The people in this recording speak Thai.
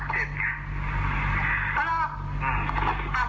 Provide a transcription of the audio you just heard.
อืม